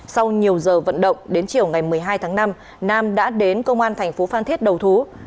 sau nhiều giờ vận động đến chiều ngày một mươi hai tháng năm nam đã đến công an thành phố phan thiết đầu thú